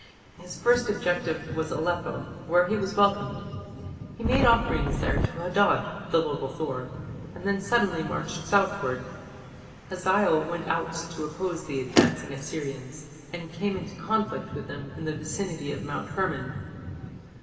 His first objective was Aleppo, where he was welcomed. He made offerings there to Hadad, the local Thor, and then suddenly marched southward. Hazael went out to oppose the advancing Assyrians, and came into conflict with them in the vicinity of Mount Hermon.